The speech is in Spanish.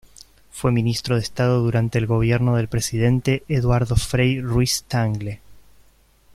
Fue ministro de Estado durante el gobierno del presidente Eduardo Frei Ruiz-Tagle.